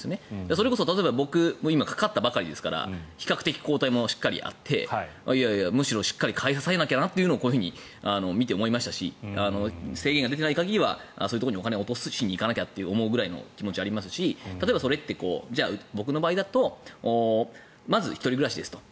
それこそ僕も今、かかったばかりですから比較的、抗体もしっかりあっていやいや、むしろしっかり買い支えなきゃなとこういうのを見て思いましたし制限が出ていない限りはそういうところにお金を落としに行かなきゃという意識はありますし例えば、それってじゃあ僕の場合だとまず１人暮らしですと。